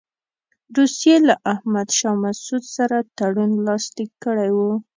روسیې له احمدشاه مسعود سره تړون لاسلیک کړی وو.